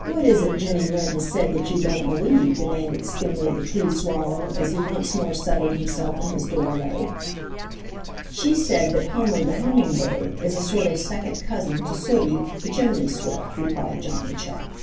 "What is it Jenny Wren has said that you don't believe?" demanded Skimmer the Tree Swallow, as he once more settled himself in his doorway. "She said that Hummer the Hummingbird is a sort of second cousin to Sooty the Chimney Swift," replied Johnny Chuck.